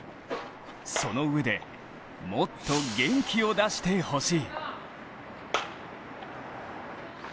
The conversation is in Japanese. そのうえでもっと元気を出してほしい。